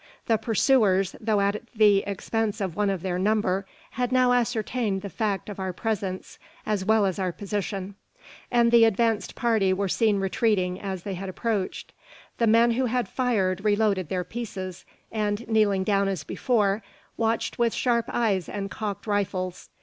The pursuers, though at the expense of one of their number, had now ascertained the fact of our presence, as well as our position; and the advanced party were seen retreating as they had approached. The men who had fired reloaded their pieces, and, kneeling down as before, watched with sharp eyes and cocked rifles.